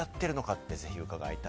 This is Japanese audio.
って、ぜひ伺いたい。